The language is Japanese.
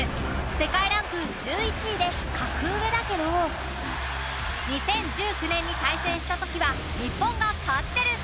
世界ランク１１位で格上だけど２０１９年に対戦した時は日本が勝ってるっシュ。